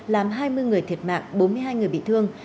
làm hai mươi người thiệt mạng bốn mươi hai người bị thương